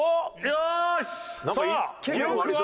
よし！